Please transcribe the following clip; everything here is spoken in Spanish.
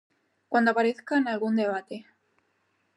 Cuando aparezca en algún debate